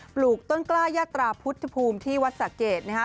ปลูกต้นกล้ายาตราพุทธภูมิที่วัดสะเกดนะฮะ